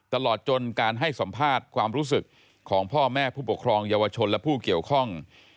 ตลอดจนการให้สัมภาษณ์ความรู้สึกของพ่อแม่ผู้ปกครองเยาวชนและผู้เกี่ยวข้อง